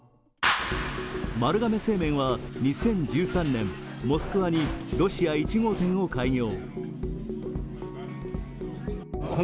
丸亀製麺は２０１３年モスクワにロシア１号店を開業。